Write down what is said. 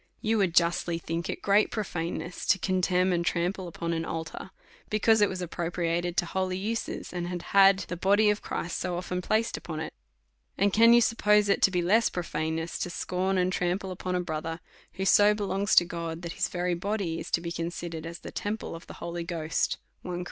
You would justly think it great prophaneness to con temn and trample upon an altar, because it was ap propriated to holy uses', and had had the body of Christ so often placed upon it ; and can you suppose it to be less prophaneness to scorn and trample upon a brother, who so belongs to God, that his very body is to be considered as the temple of the Holij Ghost, J Cor.